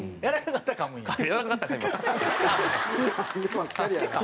かんでばっかりやな。